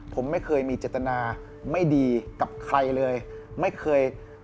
ผมไม่เคยมีจตนาไม่ดีกับใครเลย